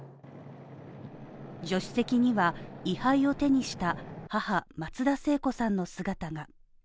助手席には位牌を手にした母・松田聖子さんの姿が。